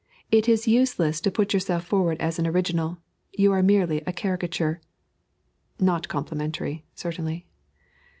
It is useless to put yourself forward as an original; you are merely a caricature." Not complimentary, certainly.